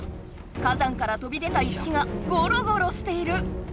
火山からとびでた石がゴロゴロしている。